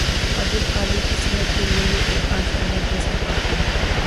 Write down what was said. خادم اعلی کی صحت کیلئے یہ ایک آشیانہ کیس ہی کافی ہے۔